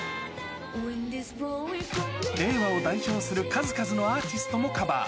令和を代表する数々のアーティストもカバー。